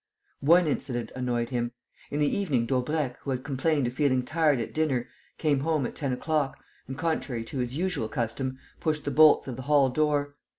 One incident annoyed him. In the evening Daubrecq, who had complained of feeling tired at dinner, came home at ten o'clock and, contrary to his usual custom, pushed the bolts of the hall door.